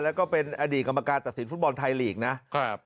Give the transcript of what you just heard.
แล้วก็เป็นอดีตกรรมการตัดสินฟุตบอลไทยลีกนะครับ